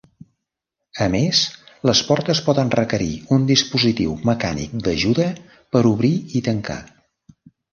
A més, les portes poden requerir un dispositiu mecànic d'ajuda per obrir i tancar.